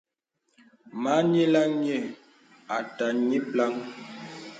Mâ ǹyilaŋ nyə̀ à tâ ǹyìplàŋ.